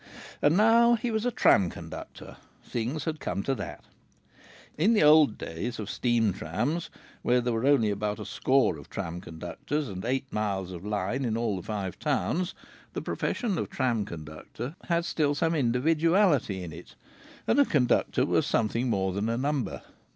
And now he was a tram conductor. Things had come to that. In the old days of the steam trams, where there were only about a score of tram conductors and eight miles of line in all the Five Towns, the profession of tram conductor had still some individuality in it, and a conductor was something more than a number.